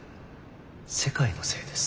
世界のせいです。